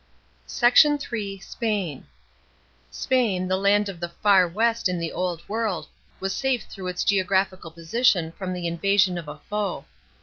* SECT. III.— SPAIN. § 6. Spain, the land of the " far west " in the old world, was safe through its geographical position from the invasion of a foe.